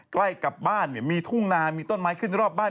ใกล้กับบ้านเนี่ยมีทุ่งนามีต้นไม้ขึ้นรอบบ้าน